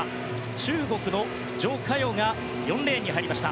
中国のジョ・カヨが４レーンに入りました。